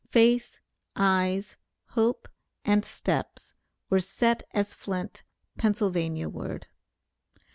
Face, eyes, hope, and steps, were set as flint, Pennsylvania ward.